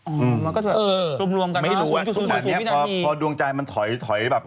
อืมไม่รู้อะสูงสูงสูงสูงวินาทีพอดวงจันทร์มันถอยแบบ